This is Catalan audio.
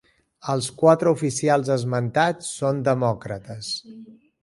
Els quatre oficials esmentats són demòcrates.